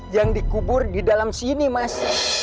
yang dikubur di dalam sini mas